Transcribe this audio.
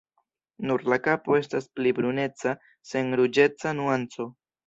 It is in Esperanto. Nur la kapo estas pli bruneca sen ruĝeca nuanco.